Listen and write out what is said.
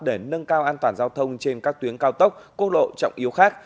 để nâng cao an toàn giao thông trên các tuyến cao tốc cô lộ trọng yếu khác